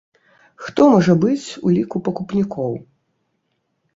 Хто можа быць у ліку пакупнікоў?